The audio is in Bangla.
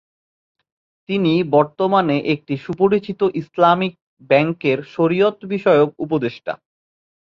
তিনি বর্তমানে একটি সুপরিচিত ইসলামিক ব্যাংকের শরিয়ত বিষয়ক উপদেষ্টা।